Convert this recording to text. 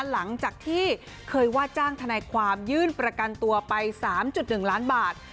หลังจากที่เคยว่าจ้างทนายความยื่นประกันตัวไป๓๑ล้านบาท